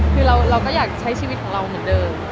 คือเราก็อยากใช้ชีวิตของเราเหมือนเดิม